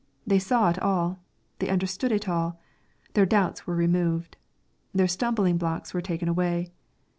They saw it all. They understood it all. Their doubts were removed. Their stumbling blocks were taken away.